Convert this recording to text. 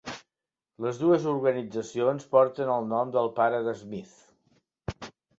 Les dues organitzacions porten el nom del pare de Smith.